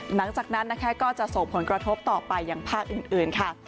หลังจากนั้นนะคะก็จะส่งผลกระทบต่อไปอย่างภาคอื่นค่ะ